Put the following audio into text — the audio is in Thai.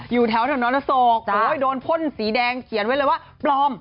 อยู่แถวนอนโศกโดนพ่นสีแดงเขียนไว้เลยว่าปลอม